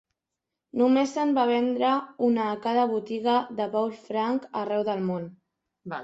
Només se'n va vendre una a cada botiga de Paul Frank arreu del món.